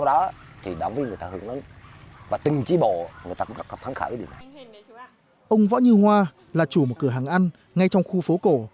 ông võ như hoa là chủ một cửa hàng ăn ngay trong khu phố cổ